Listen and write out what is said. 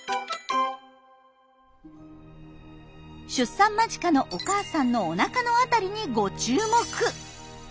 出産間近のお母さんのおなかの辺りにご注目！